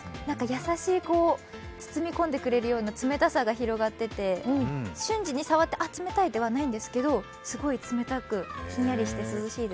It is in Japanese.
優しい、包み込んでくれるような冷たさが広がってて、瞬時に触って、あ冷たい！というのではなくてすごい冷たく、ひんやりして涼しいです。